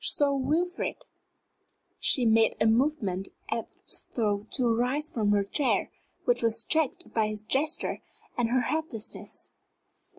"Sir Wilfrid!" She made a movement as though to rise from her chair, which was checked by his gesture and her helplessness.